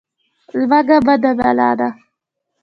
لوږه بده بلا ده.